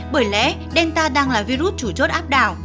bởi lẽ delta đang là virus chủ chốt áp đảo